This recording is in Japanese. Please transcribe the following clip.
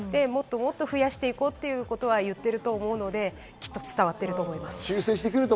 もっと増やしていこうということは言っていると思うので、きっと伝わっていると思います。